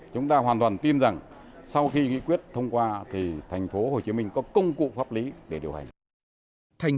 chúng ta hoàn toàn tin rằng sau khi nghị quyết thông qua thì tp hcm có công cụ pháp lý để điều hành